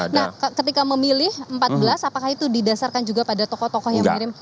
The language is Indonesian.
nah ketika memilih empat belas apakah itu didasarkan juga pada tokoh tokoh yang mengirim